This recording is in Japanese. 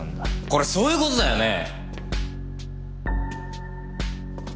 これそういう事だよね！？